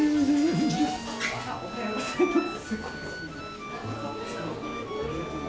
おはようございます。